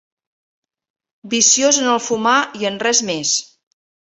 Viciós en el fumar i en res més.